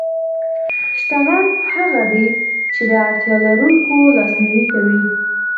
شتمن هغه دی چې د اړتیا لرونکو لاسنیوی کوي.